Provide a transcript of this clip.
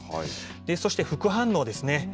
そして副反応ですね。